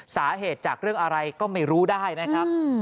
สาเหตุจากเรื่องอะไรก็ไม่รู้ได้นะครับ